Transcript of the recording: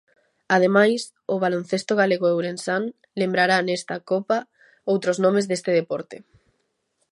Ademais, o baloncesto galego e ourensán lembrará nesta Copa outros nomes deste deporte.